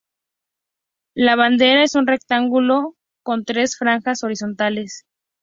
La bandera es un rectángulo con tres franjas horizontales.